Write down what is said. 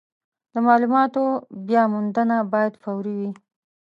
د مالوماتو بیاموندنه باید فوري وي.